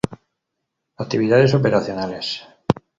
Actividades operacionales.